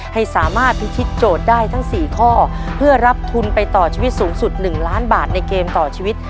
ให้สามารถพิชิตโจทย์ได้ทั้ง๔ข้อเพื่อรับทุนไปต่อชีวิตสูงสุด๑ล้านบาทในเกมต่อชีวิต